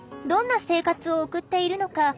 どんな生活を送っているのか